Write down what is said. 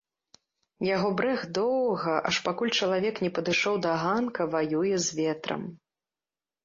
Яго брэх доўга, аж пакуль чалавек не падышоў да ганка, ваюе з ветрам.